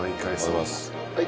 はい。